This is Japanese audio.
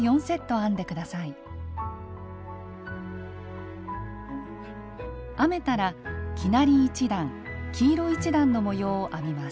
編めたら生成り１段黄色１段の模様を編みます。